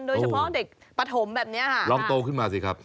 โดยเฉพาะเด็กปฐมแบบนี้ค่ะลองโตขึ้นมาสิครับ